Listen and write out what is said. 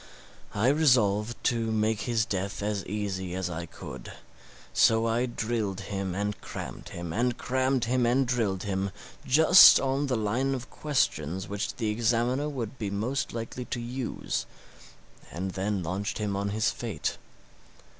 I resolved to make his death as easy as I could; so I drilled him and crammed him, and crammed him and drilled him, just on the line of questions which the examiner would be most likely to use, and then launched him on his fate.